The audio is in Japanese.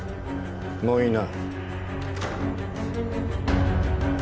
もういいな？